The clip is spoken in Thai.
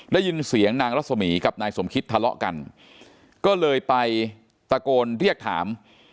ได้ยินเสียงนางรัศมีกับนายสมคิตทะเลาะกันก็เลยไปตะโกนเรียกถาม